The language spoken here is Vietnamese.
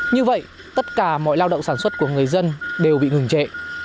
như vậy tất cả mọi lao động sản xuất của người dân đều bị ngừng trệ